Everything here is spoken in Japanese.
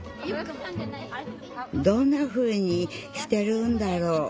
どんなふうにしてるんだろう